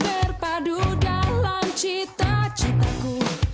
terpadu dalam cita citaku